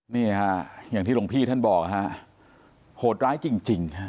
นี่ฮะอย่างที่หลวงพี่ท่านบอกฮะโหดร้ายจริง